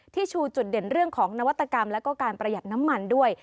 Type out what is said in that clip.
ชูจุดเด่นเรื่องของนวัตกรรมแล้วก็การประหยัดน้ำมันด้วย